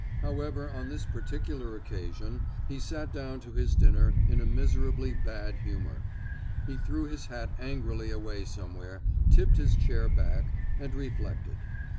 However, on this particular occasion, he sat down to his dinner in a miserably bad humour: he threw his hat angrily away somewhere, tipped his chair back,—and reflected.